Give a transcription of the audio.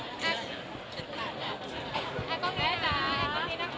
แอล์ก็แพี่ดา